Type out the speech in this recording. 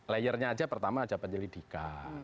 layernya aja pertama aja penyelidikan